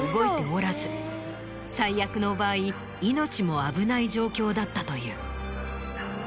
最悪の場合命も危ない状況だったという。